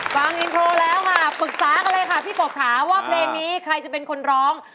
ฟังอินโทรแล้วค่ะปรึกษากันเลยค่ะพี่ปกค่ะว่าเพลงนี้ใครจะเป็นคนร้อง